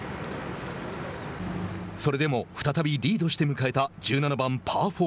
それでも、再びリードして迎えた１７番パー４。